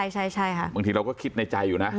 ใช่ค่ะบางทีเราก็คิดในใจอยู่นะ